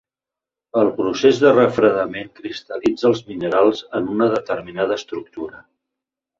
El procés de refredament cristal·litza els minerals en una determinada estructura.